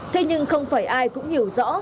thế nhưng không phải ai cũng hiểu rõ